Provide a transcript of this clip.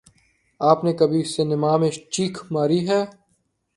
آپ نے کبھی سنیما میں چیخ ماری ہے